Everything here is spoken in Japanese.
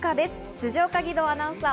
辻岡義堂アナウンサー